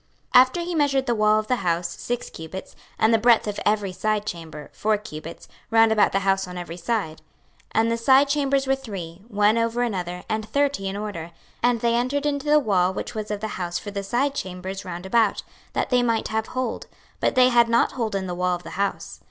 26:041:005 After he measured the wall of the house, six cubits; and the breadth of every side chamber, four cubits, round about the house on every side. 26:041:006 And the side chambers were three, one over another, and thirty in order; and they entered into the wall which was of the house for the side chambers round about, that they might have hold, but they had not hold in the wall of the house.